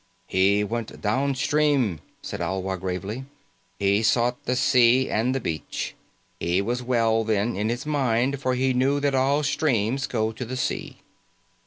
"He went downstream," said Alwa gravely. "He sought the sea and the beach. He was well then, in his mind, for he knew that all streams go to the sea."